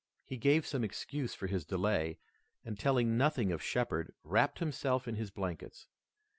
He gave some excuse for his delay, and telling nothing of Shepard, wrapped himself in his blankets.